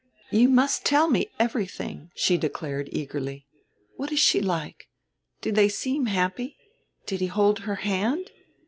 "You must tell me everything," she declared eagerly. "What is she like? Do they seem happy? Did he hold her hand?